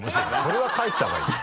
それは帰った方がいいよ。